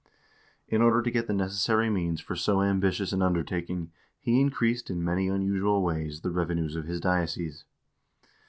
1 In order to get the necessary means for so ambitious an undertaking he increased in many unusual ways the revenues of his diocese.